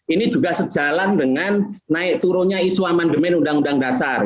ini juga sejalan dengan naik turunnya isu amandemen undang undang dasar